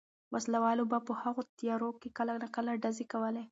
وسله والو به په هغو تیارو کې کله کله ډزې کولې.